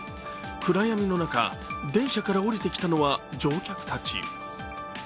暗闇の中、電車から降りてきたのは乗客たち。